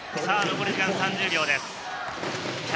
残り時間３０秒です。